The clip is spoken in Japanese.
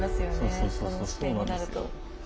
そうそうそうそうそうなんですよ。